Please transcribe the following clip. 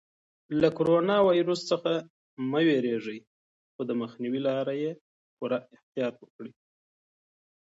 له کرونا ویروس څخه مه وېرېږئ خو د مخنیوي لپاره یې پوره احتیاط وکړئ.